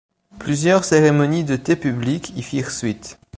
Plusieurs cérémonies de thé publiques y firent suite.